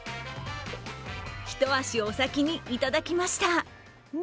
一足お先にいただきました。